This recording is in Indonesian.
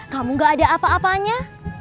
kamu gak ada apa apanya